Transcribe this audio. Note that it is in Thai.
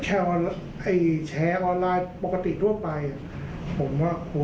ผมว่าควรหลีกเลี่ยง